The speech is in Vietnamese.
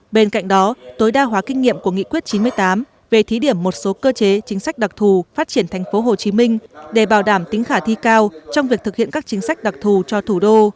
bên cạnh đó tối đa hóa kinh nghiệm của nghị quyết chín mươi tám về thí điểm một số cơ chế chính sách đặc thù phát triển tp hcm để bảo đảm tính khả thi cao trong việc thực hiện các chính sách đặc thù cho thủ đô